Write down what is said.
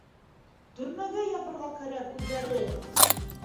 — Төрмәгә ябырға кәрәк үҙҙәрен!